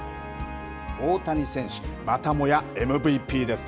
大谷選手、またもやＭＶＰです。